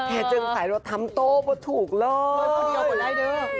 แท้เจิงสายรถทำโต้เพราะถูกเลยเห้ยเดี๋ยวก่อนไหล่เด้อ